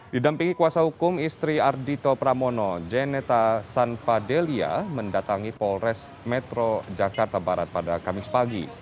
didampingi kuasa hukum istri ardhito pramono jeneta sanfadelia mendatangi polres metro jakarta barat pada kamis pagi